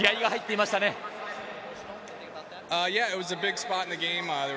気合いが入っていましたね。